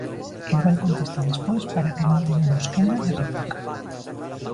Igual contesta despois para que non teñamos quenda de réplica.